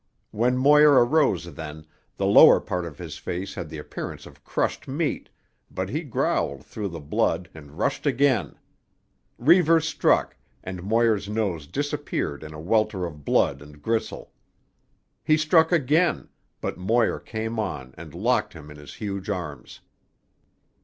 When Moir arose then, the lower part of his face had the appearance of crushed meat, but he growled through the blood and rushed again. Reivers struck, and Moir's nose disappeared in a welter of blood and gristle. He struck again, but Moir came on and locked him in his huge arms.